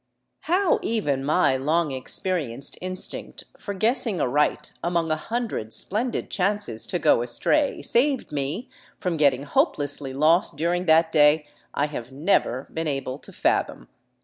How even my long experienced instinct for guessing aright among a hundred splendid chances to go astray saved me from getting hope lessly lost during that day, I have never been able to fathom.